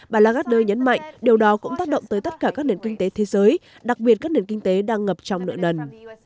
bà lagarder nhấn mạnh điều đó cũng tác động tới tất cả các nền kinh tế thế giới đặc biệt các nền kinh tế đang ngập trong nợ nần